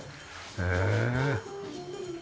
へえ。